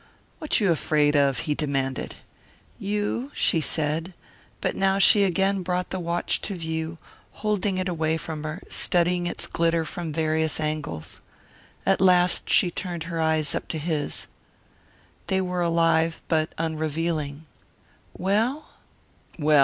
"What you afraid of?" he demanded. "You," she said, but now she again brought the watch to view, holding it away from her, studying its glitter from various angles. At last she turned her eyes up to his. They were alive but unrevealing. "Well?" "Well?"